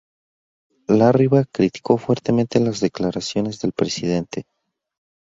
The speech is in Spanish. Larriva criticó fuertemente las declaraciones del presidente.